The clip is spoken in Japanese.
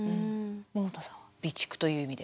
百田さん備蓄という意味で。